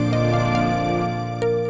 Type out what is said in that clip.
kakak kecewa sama kamu